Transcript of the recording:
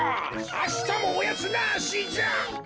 あしたもおやつなしじゃ！